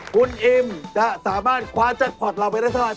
คุณอิมจะสามารถคว้าจัดพอร์ตเราไปได้ไหมครับ